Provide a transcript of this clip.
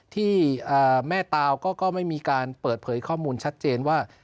ที่แม่ตาวก็ไม่มีการเปิดเผยข้อมูลชัดเจนว่า